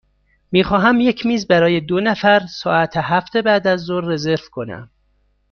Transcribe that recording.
می خواهم یک میز برای دو نفر ساعت هفت بعدازظهر رزرو کنم.